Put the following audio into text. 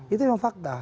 itu yang fakta